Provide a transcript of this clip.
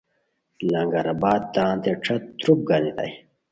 لنگرآباد تانتے ݯت تروپ گانیتائے